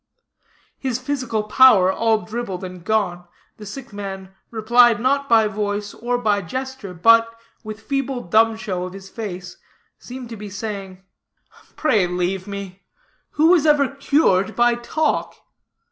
His physical power all dribbled and gone, the sick man replied not by voice or by gesture; but, with feeble dumb show of his face, seemed to be saying "Pray leave me; who was ever cured by talk?"